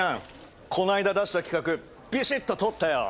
この間出した企画ビシッと通ったよ！